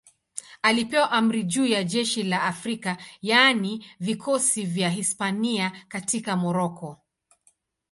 Alipewa amri juu ya jeshi la Afrika, yaani vikosi vya Hispania katika Moroko.